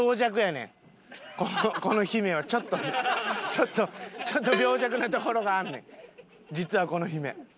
ちょっとちょっと病弱なところがあんねん実はこの姫。